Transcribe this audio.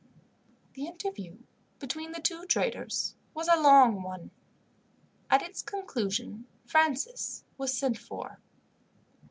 The interview between the two traders was a long one. At its conclusion Francis was sent for.